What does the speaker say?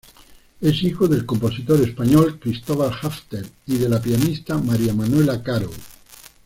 Es hijo del compositor español Cristóbal Halffter y de la pianista María Manuela Caro.